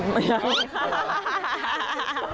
ไม่ค่ะ